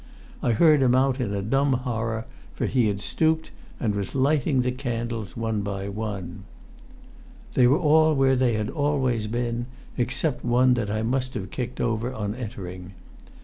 I heard him out in a dumb horror; for he had stooped, and was lighting the candles one by one. They were all where they had always been, except one that I must have kicked over on entering.